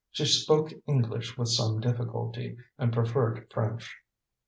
She spoke English with some difficulty and preferred French.